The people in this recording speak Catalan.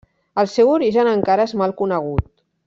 El seu origen encara és mal conegut.